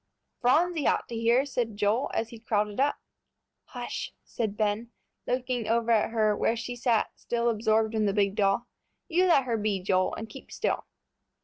"Phronsie ought to hear," said Joel, as he crowded up. "Hush," said Ben, looking over at her where she still sat absorbed in the big doll; "you let her be, Joel, and keep still."